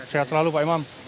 sehat selalu pak imam